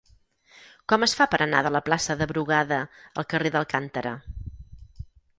Com es fa per anar de la plaça de Brugada al carrer d'Alcántara?